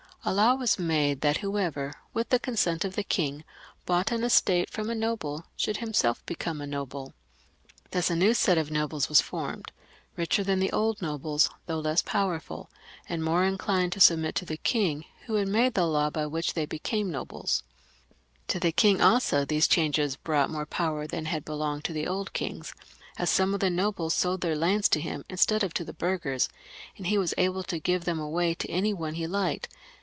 A law was made that whoever, with the consent of the king, bought an estate from a noble, should himself become a noble. Thus a new set of nobles was formed, richer than the old nobles, though less powerful, and more inclined to submit to the king, who had made the law by which they became nobles. xni.1 PHILIP L 73 To the king also these changes brought more power than had belonged to the old kings, as some of the nobles sold their lands to him instead of to the burghers^ and he was able to give them away to any one he liked, and.